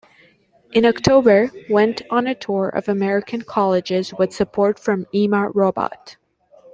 In October, went on a tour of American colleges with support from Ima Robot.